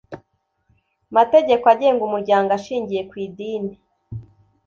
Mategeko agenga umuryango ushingiye ku idini